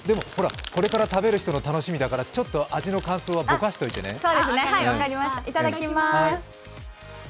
これから食べる人の楽しみだからちょっと味の感想はぼかしておいてね。